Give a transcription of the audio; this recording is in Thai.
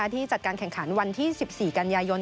ที่จัดการแข่งขันวันที่๑๔กันยายน